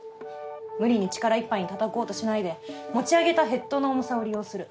無理に力いっぱいに叩こうとしないで持ち上げたヘッドの重さを利用する。